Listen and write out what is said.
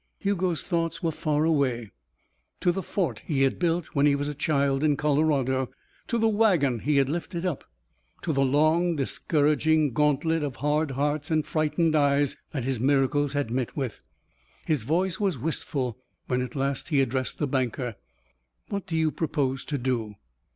Hugo's thoughts were far away to the fort he had built when he was a child in Colorado, to the wagon he had lifted up, to the long, discouraging gauntlet of hard hearts and frightened eyes that his miracles had met with. His voice was wistful when, at last, he addressed the banker. "What do you propose to do?"